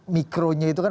mikronya itu kan